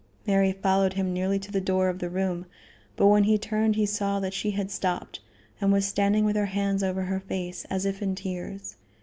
Mary followed him nearly to the door of the room, but when he turned he saw that she had stopped, and was standing with her hands over her face, as if in tears.